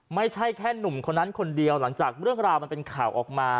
ไม่ใช่แค่หนุ่มคนนั้นคนเดียวหลังจากเรื่องราวมันเป็นข่าวออกมา